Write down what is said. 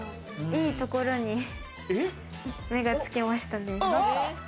いいところに目をつけましたね。